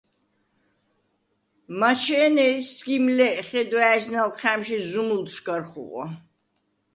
მაჩე̄ნე ეჯ სგიმ ლ’ე̄, ხედვა̄̈ის ნალჴა̈მში ზუმულდშვ გარ ხუღვე.